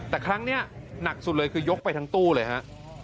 แต่ครั้งนี้หนักสุดเลยคือยกไปทั้งตู้เลยฮะ